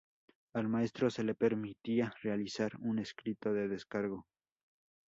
Al maestro se le permitía realizar un escrito de descargo.